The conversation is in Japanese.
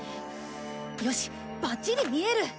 よしバッチリ見える！